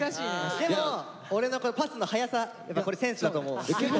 でも俺のパスの早さこれセンスだと思う。